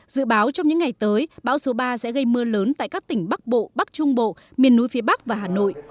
dự báo trong những ngày tới bão số ba sẽ gây mưa lớn tại các tỉnh bắc bộ bắc trung bộ miền núi phía bắc và hà nội